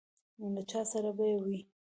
له چا سره به یې وي.